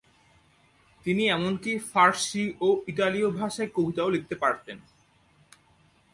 তিনি এমনকি ফারসি ও ইতালীয় ভাষায় কবিতাও লিখতে পারতেন।